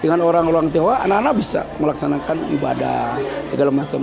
dengan orang orang tiong anak anak bisa melaksanakan ibadah segala macam